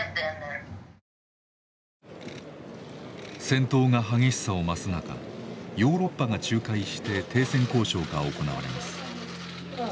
戦闘が激しさを増す中ヨーロッパが仲介して停戦交渉が行われます。